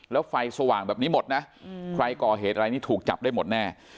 แล้วไฟสว่างแบบนี้หมดนะใครก่อเหตุอะไรนี่ถูกจับได้หมดแน่